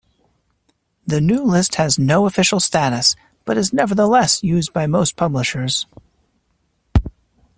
The new list has no official status, but is nevertheless used by most publishers.